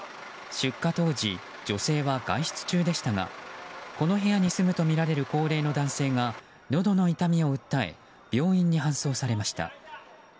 出火当時、女性は外出中でしたがこの部屋に住むとみられる高齢の男性がのどの痛みを訴え病院に搬送されました。